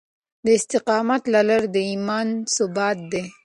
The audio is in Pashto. د استقامت لرل د ايمان ثبوت دی.